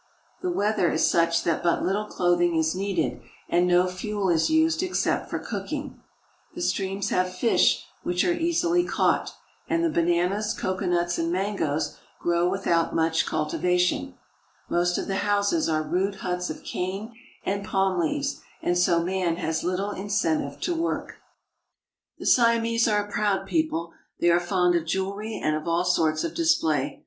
The weather is such that but little clothing is needed, and no fuel is used except for cooking. The streams have fish which are easily caught, and the bananas, coconuts, and mangoes grow without much cultivation. Most of the houses are rude huts of cane and palm leaves, and so man has little incentive to work. SI AM AND THE SIAMESE 1 89 The Siamese are a proud people. They are fond of jewelry and of all sorts of display.